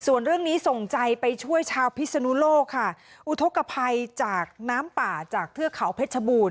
ส่วนเรื่องนี้ส่งใจไปช่วยชาวพิศนุโลกค่ะอุทธกภัยจากน้ำป่าจากเทือกเขาเพชรบูรณ